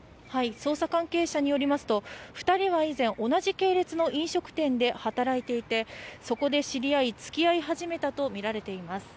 捜査関係者によりますと２人は以前同じ系列の飲食店で働いていてそこで知り合い、つきあい始めたとみられています。